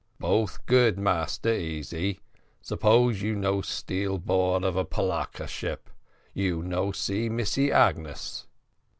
"Both good, Massa Easy; suppose you no steal board of polacca ship, you not see Missy Agnes."